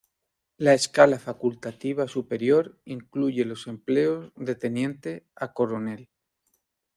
La escala facultativa superior incluye los empleos de Teniente a Coronel.